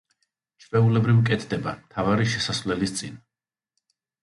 ჩვეულებრივ კეთდება მთავარი შესასვლელის წინ.